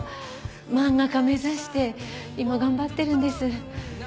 漫画家目指して今頑張ってるんです。